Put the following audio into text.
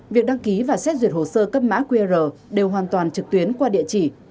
việc đăng ký và xét duyệt hồ sơ cấp mã qr đều hoàn toàn trực tuyến qua địa chỉ